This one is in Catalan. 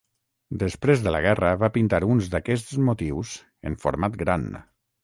Després de la guerra va pintar uns d'aquests motius en format gran.